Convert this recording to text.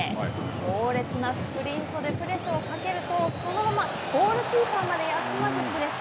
猛烈なスプリントでプレスをかけると、そのままゴールキーパーまで休まずプレス。